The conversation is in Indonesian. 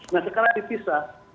nah sekarang dipisah